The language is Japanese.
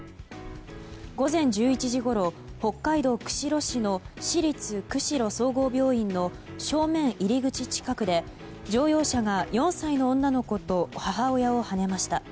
午前１１時ごろ北海道釧路市の市立釧路総合病院の正面入り口近くで乗用車が４歳の女の子と母親をはねました。